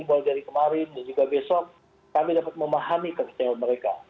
mulai dari kemarin dan juga besok kami dapat memahami kekecewaan mereka